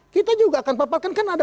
kita juga akan paparkan kan ada